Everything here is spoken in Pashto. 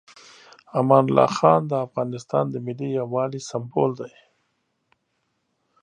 امان الله خان د افغانستان د ملي یووالي سمبول دی.